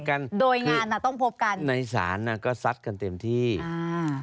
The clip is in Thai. กันโดยงานอ่ะต้องพบกันในศาลอ่ะก็ซัดกันเต็มที่อ่า